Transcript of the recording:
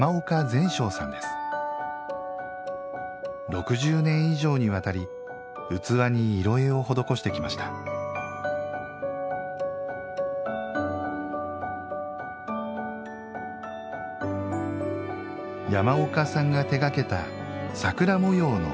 ６０年以上にわたり器に色絵を施してきました山岡さんが手がけた桜模様の水さしです。